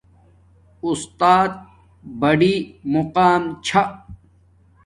اُستات بڑی مقام چھا